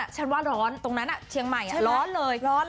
ฉันว่าร้อนตรงนั้นเชียงใหม่ร้อนเลยร้อนเลย